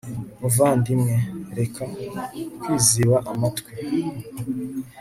muvandimwe, reka kwiziba amatwi